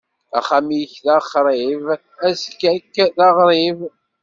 Axxam-ik d axṛib, aẓekka-k d aɣrib.